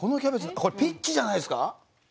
ピッチじゃないですか！？